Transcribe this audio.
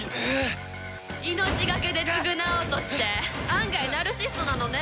命がけで償おうとして案外ナルシストなのね。